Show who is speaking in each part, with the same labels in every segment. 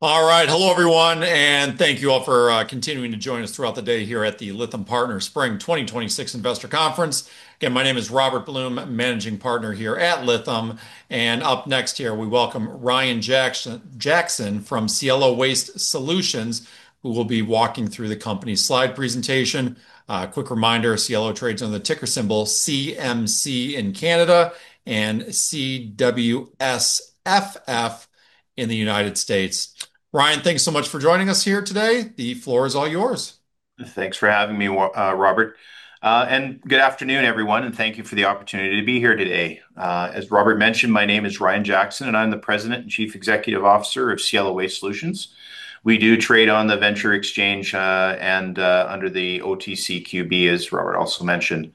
Speaker 1: All right. Hello everyone and thank you all for continuing to join us throughout the day here at the Lytham Partners Spring 2026 Investor Conference. Again, my name is Robert Blum, Managing Partner here at Lytham, and up next here we welcome Ryan Jackson from Cielo Waste Solutions, who will be walking through the company's slide presentation. A quick reminder, Cielo trades on the ticker symbol CMC in Canada and CWSFF in the United States. Ryan, thanks so much for joining us here today. The floor is all yours.
Speaker 2: Thanks for having me Robert. Good afternoon everyone and thank you for the opportunity to be here today. As Robert mentioned, my name is Ryan Jackson, and I'm the President and Chief Executive Officer of Cielo Waste Solutions. We do trade on the Venture Exchange, and under the OTCQB, as Robert also mentioned.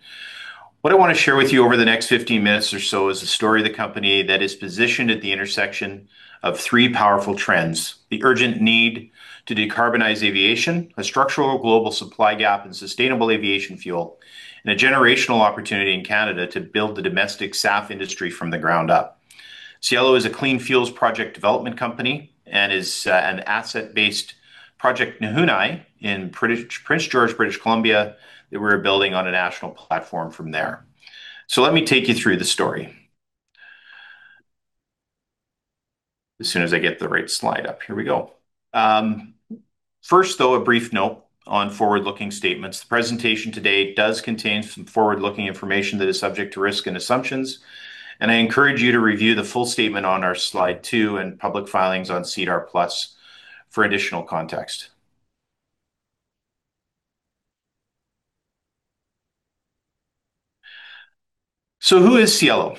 Speaker 2: What I want to share with you over the next 15 minutes or so is the story of the company that is positioned at the intersection of three powerful trends, the urgent need to decarbonize aviation, a structural global supply gap in sustainable aviation fuel, and a generational opportunity in Canada to build the domestic SAF industry from the ground up. Cielo is a clean fuels project development company and is an asset-based Project Nahoonai in Prince George, British Columbia, that we're building on a national platform from there. Let me take you through the story, as soon as I get the right slide up. Here we go. First, though, a brief note on forward-looking statements. The presentation today does contain some forward-looking information that is subject to risk and assumptions, and I encourage you to review the full statement on our Slide two and public filings on SEDAR+ for additional context. Who is Cielo?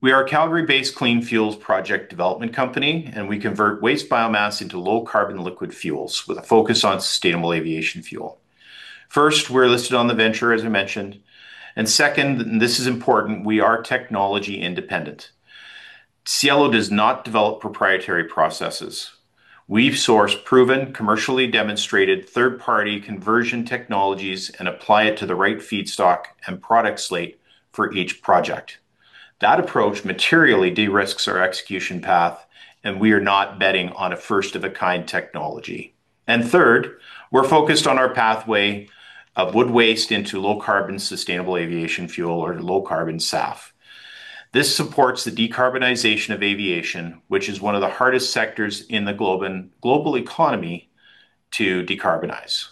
Speaker 2: We are a Calgary-based clean fuels project development company, and we convert waste biomass into low carbon liquid fuels with a focus on sustainable aviation fuel. First, we're listed on the Venture, as I mentioned, and second, and this is important, we are technology independent. Cielo does not develop proprietary processes. We've sourced proven, commercially demonstrated third-party conversion technologies and apply it to the right feedstock and product slate for each project. That approach materially de-risks our execution path, and we are not betting on a first of a kind technology. Third, we're focused on our pathway of wood waste into low carbon sustainable aviation fuel, or low carbon SAF. This supports the decarbonization of aviation, which is one of the hardest sectors in the global economy to decarbonize.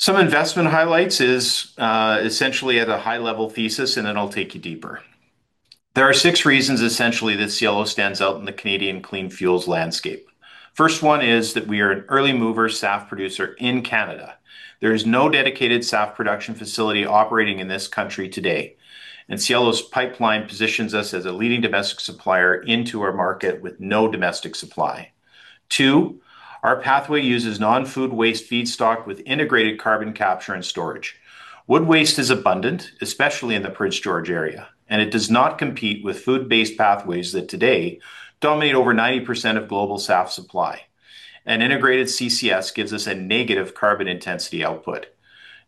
Speaker 2: Some investment highlights is essentially at a high level thesis, and then I'll take you deeper. There are six reasons essentially that Cielo stands out in the Canadian clean fuels landscape. First one is that we are an early mover SAF producer in Canada. There is no dedicated SAF production facility operating in this country today, and Cielo's pipeline positions us as a leading domestic supplier into our market with no domestic supply. Two, our pathway uses non-food waste feedstock with integrated carbon capture and storage. Wood waste is abundant, especially in the Prince George area and it does not compete with food-based pathways that today dominate over 90% of global SAF supply. Integrated CCS gives us a negative carbon intensity output.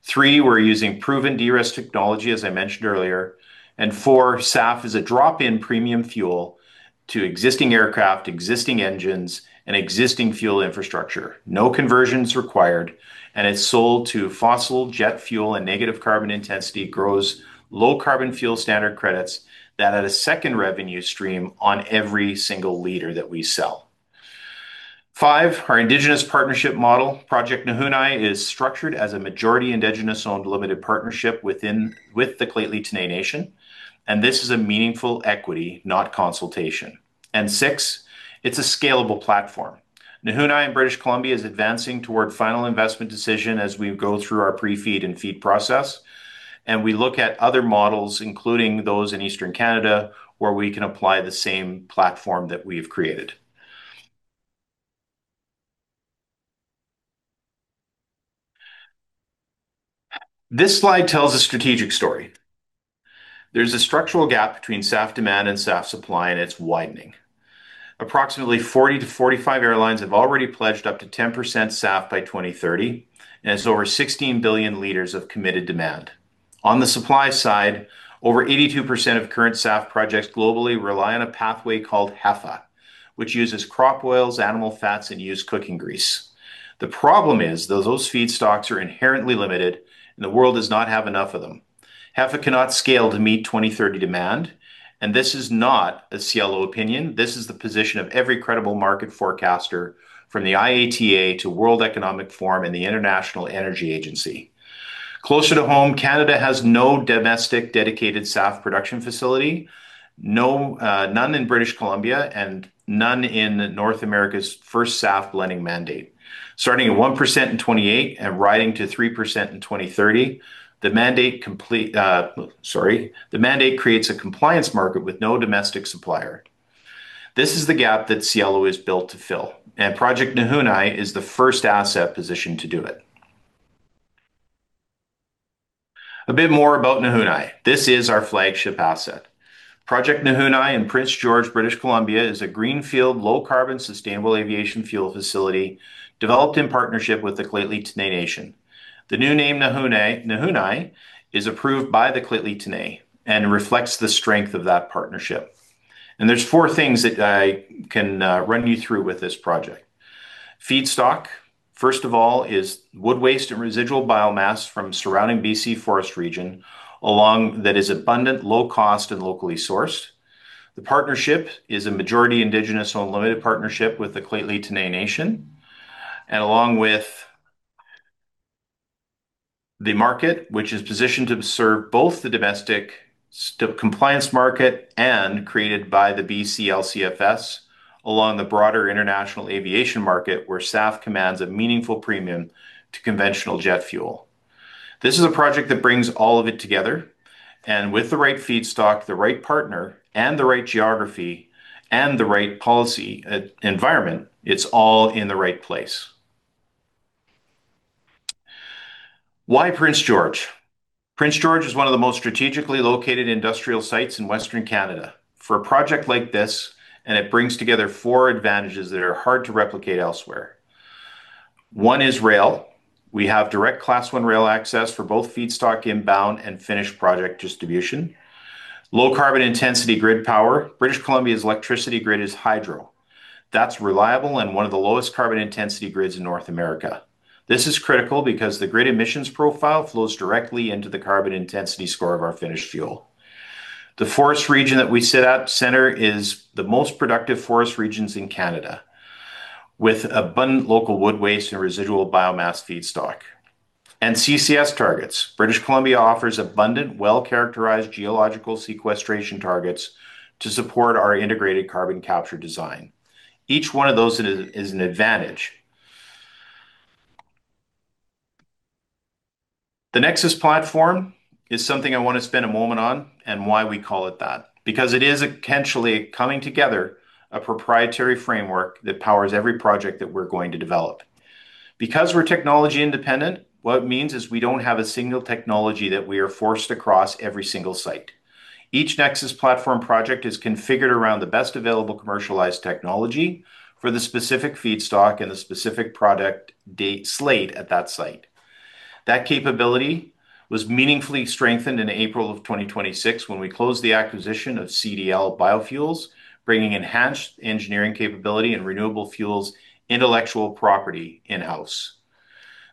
Speaker 2: Three, we're using proven de-risk technology, as I mentioned earlier, and four, SAF is a drop-in premium fuel to existing aircraft, existing engines, and existing fuel infrastructure. No conversion's required, and it's sold to fossil jet fuel and negative carbon intensity grows low carbon fuel standard credits that add a second revenue stream on every single liter that we sell. Five, our indigenous partnership model, Project Nahoonai, is structured as a majority indigenous-owned limited partnership with the Lheidli T'enneh Nation, and this is a meaningful equity, not consultation. Six, it's a scalable platform. Nahoonai in British Columbia is advancing toward final investment decision as we go through our pre-feed and feed process, and we look at other models, including those in eastern Canada, where we can apply the same platform that we've created. This slide tells a strategic story. There's a structural gap between SAF demand and SAF supply, and it's widening. Approximately 40-45 airlines have already pledged up to 10% SAF by 2030, and it's over 16 billion liters of committed demand. On the supply side, over 82% of current SAF projects globally rely on a pathway called HEFA, which uses crop oils, animal fats, and used cooking grease. The problem is, though, those feedstocks are inherently limited and the world does not have enough of them. HEFA cannot scale to meet 2030 demand, and this is not a Cielo opinion. This is the position of every credible market forecaster from the IATA to World Economic Forum and the International Energy Agency. Closer to home, Canada has no domestic dedicated SAF production facility, none in British Columbia, and none in North America's first SAF blending mandate. Starting at 1% in 2028 and rising to 3% in 2030, the mandate creates a compliance market with no domestic supplier. This is the gap that Cielo is built to fill, and Project Nahoonai is the first asset positioned to do it. A bit more about Nahoonai. This is our flagship asset. Project Nahoonai in Prince George, British Columbia, is a greenfield, low carbon, sustainable aviation fuel facility developed in partnership with the Lheidli T'enneh Nation. The new name Nahoonai, is approved by the Lheidli T'enneh and reflects the strength of that partnership. There's four things that I can run you through with this project. Feedstock, first of all, is wood waste and residual biomass from surrounding BC forest region that is abundant, low cost, and locally sourced. The partnership is a majority indigenous-owned limited partnership with the Lheidli T'enneh Nation. Along with the market, which is positioned to serve both the domestic compliance market and created by the BC LCFS, along the broader international aviation market, where SAF commands a meaningful premium to conventional jet fuel. This is a project that brings all of it together, and with the right feedstock, the right partner, and the right geography, and the right policy environment, it's all in the right place. Why Prince George? Prince George is one of the most strategically located industrial sites in Western Canada for a project like this. It brings together four advantages that are hard to replicate elsewhere. One is rail. We have direct Class 1 rail access for both feedstock inbound and finished project distribution. Low carbon intensity grid power. British Columbia's electricity grid is hydro. That's reliable and one of the lowest carbon intensity grids in North America. This is critical because the grid emissions profile flows directly into the carbon intensity score of our finished fuel. The forest region that we sit at center is the most productive forest regions in Canada, with abundant local wood waste and residual biomass feedstock. CCS targets. British Columbia offers abundant, well characterized geological sequestration targets to support our integrated carbon capture design. Each one of those is an advantage. The NEXUS Platform is something I want to spend a moment on and why we call it that. It is intentionally coming together, a proprietary framework that powers every project that we're going to develop. We're technology independent, what it means is we don't have a single technology that we are forced across every single site. Each NEXUS Platform project is configured around the best available commercialized technology for the specific feedstock and the specific product date slate at that site. That capability was meaningfully strengthened in April of 2026 when we closed the acquisition of CDL Biofuels, bringing enhanced engineering capability and renewable fuels intellectual property in-house.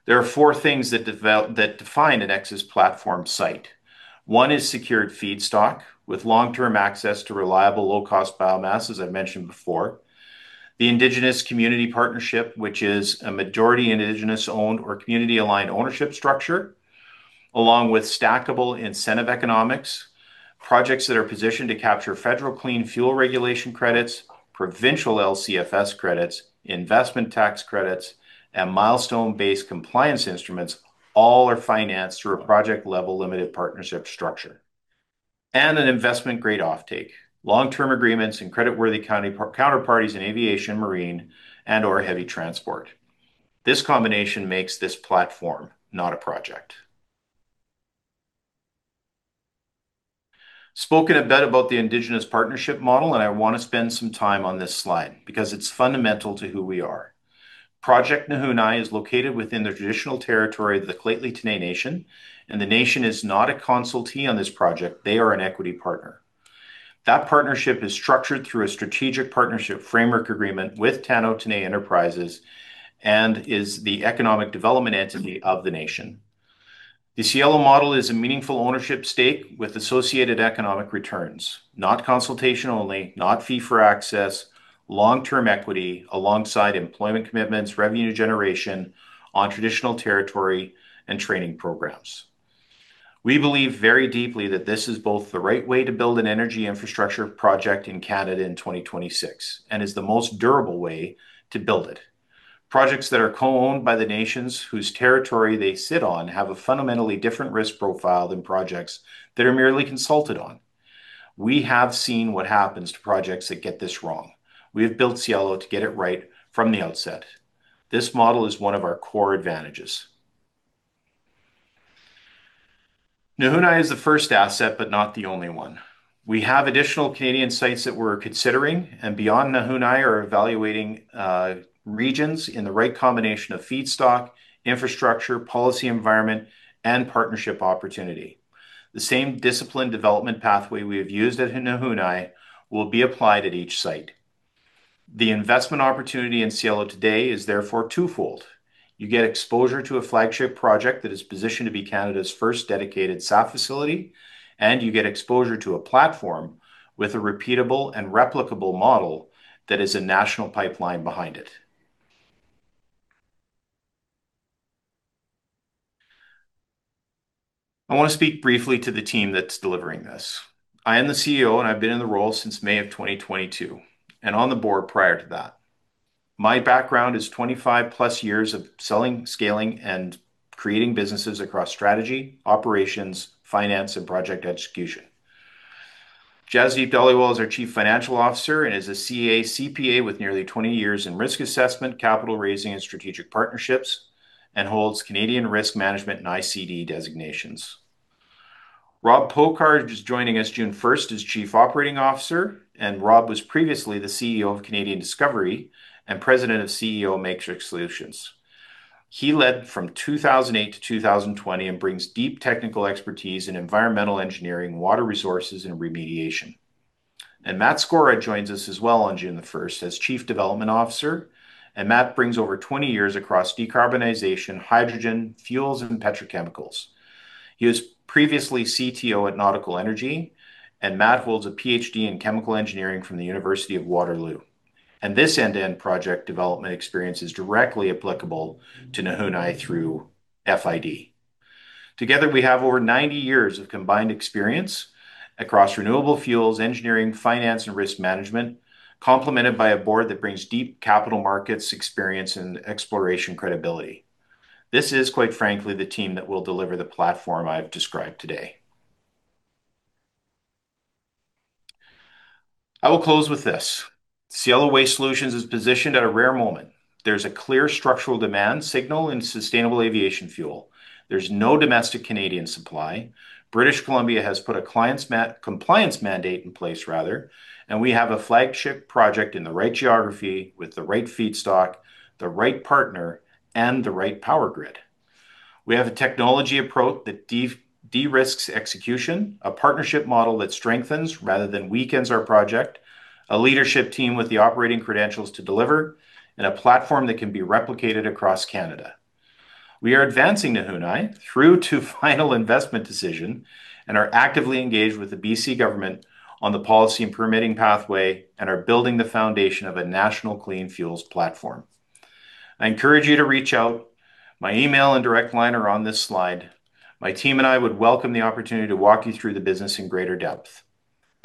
Speaker 2: There are four things that define a NEXUS Platform site. One is secured feedstock with long-term access to reliable, low-cost biomass, as I mentioned before. The Indigenous community partnership, which is a majority Indigenous-owned or community-aligned ownership structure, along with stackable incentive economics. Projects that are positioned to capture federal clean fuel regulation credits, provincial LCFS credits, investment tax credits, and milestone-based compliance instruments all are financed through a project-level limited partnership structure, and an investment grade offtake, long-term agreements, and creditworthy counterparties in aviation, marine, and/or heavy transport. This combination makes this platform not a project. Spoken a bit about the Indigenous partnership model. I want to spend some time on this slide because it's fundamental to who we are. Project Nahoonai is located within the traditional territory of the Lheidli T'enneh Nation. The Nation is not a consultee on this project, they are an equity partner. That partnership is structured through a strategic partnership framework agreement with Tano T'enneh Enterprises and is the economic development entity of the Nation. The Cielo model is a meaningful ownership stake with associated economic returns, not consultation only, not fee for access, long-term equity alongside employment commitments, revenue generation on traditional territory, and training programs. We believe very deeply that this is both the right way to build an energy infrastructure project in Canada in 2026 and is the most durable way to build it. Projects that are co-owned by the nations whose territory they sit on have a fundamentally different risk profile than projects that are merely consulted on. We have seen what happens to projects that get this wrong. We have built Cielo to get it right from the outset. This model is one of our core advantages. Nahoonai is the first asset, but not the only one. We have additional Canadian sites that we're considering, and beyond Nahoonai are evaluating regions in the right combination of feedstock, infrastructure, policy environment, and partnership opportunity. The same disciplined development pathway we have used at Nahoonai will be applied at each site. The investment opportunity in Cielo Waste Solutions today is therefore twofold. You get exposure to a flagship project that is positioned to be Canada's first dedicated SAF facility, and you get exposure to a platform with a repeatable and replicable model that is a national pipeline behind it. I want to speak briefly to the team that's delivering this. I am the CEO, and I've been in the role since May of 2022, and on the board prior to that. My background is 25 plus years of selling, scaling, and creating businesses across strategy, operations, finance, and project execution. Jasdeep Dhaliwal is our Chief Financial Officer and is a CA CPA with nearly 20 years in risk assessment, capital raising, and strategic partnerships, and holds Canadian risk management and ICD designations. Rob Pockar is joining us June 1st as Chief Operating Officer. Rob was previously the CEO of Canadian Discovery and President of Matrix Solutions. He led from 2008-2020 and brings deep technical expertise in environmental engineering, water resources, and remediation. Matt Scorah joins us as well on June 1st as Chief Development Officer. Matt brings over 20 years across decarbonization, hydrogen, fuels, and petrochemicals. He was previously CTO at Nauticol Energy, and Matt holds a PhD in chemical engineering from the University of Waterloo. This end-to-end project development experience is directly applicable to Nahoonai through FID. Together, we have over 90 years of combined experience across renewable fuels, engineering, finance, and risk management, complemented by a board that brings deep capital markets experience and exploration credibility. This is, quite frankly, the team that will deliver the Platform I've described today. I will close with this. Cielo Waste Solutions is positioned at a rare moment. There's a clear structural demand signal in sustainable aviation fuel. There's no domestic Canadian supply. British Columbia has put a compliance mandate in place, and we have a flagship project in the right geography with the right feedstock, the right partner, and the right power grid. We have a technology approach that de-risks execution, a partnership model that strengthens rather than weakens our project, a leadership team with the operating credentials to deliver, and a Platform that can be replicated across Canada. We are advancing Nahoonai through to final investment decision and are actively engaged with the BC government on the policy and permitting pathway and are building the foundation of a national clean fuels platform. I encourage you to reach out. My email and direct line are on this slide. My team and I would welcome the opportunity to walk you through the business in greater depth.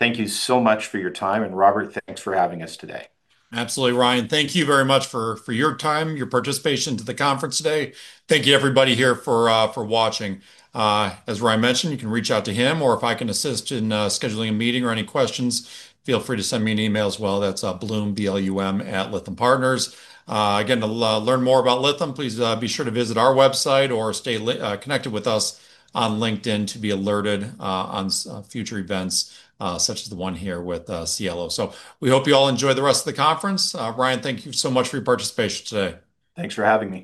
Speaker 2: Thank you so much for your time and Robert thanks for having us today.
Speaker 1: Absolutely Ryan. Thank you very much for your time and your participation to the conference today. Thank you everybody here for watching. As Ryan mentioned, you can reach out to him, or if I can assist in scheduling a meeting or any questions, feel free to send me an email as well. That's Blum, B-L-U-M, @LythamPartners. Again, to learn more about Lytham, please be sure to visit our website or stay connected with us on LinkedIn to be alerted on future events, such as the one here with Cielo. We hope you all enjoy the rest of the conference. Ryan thank you so much for your participation today.
Speaker 2: Thanks for having me.